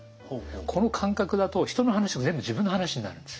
この感覚だと人の話が全部自分の話になるんです。